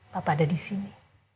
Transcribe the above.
papa ada di sini